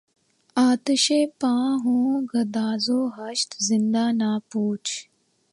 آتشیں پا ہوں گداز وحشت زنداں نہ پوچھ